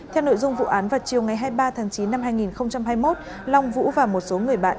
theo nội dung vụ án vào chiều ngày hai mươi ba tháng chín năm hai nghìn hai mươi một long vũ và một số người bạn